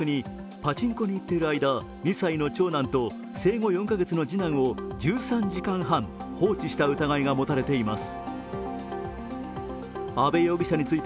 北海道釧路市の自宅にパチンコに行っている間、２歳の長男と生後４カ月の次男を１３時間半放置していた疑いが持たれています。